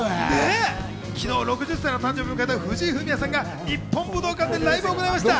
昨日６０歳の誕生日を迎えた藤井フミヤさんが日本武道館でライブを行いました。